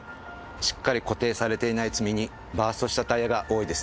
しっかり固定されていない積み荷バーストしたタイヤが多いですね。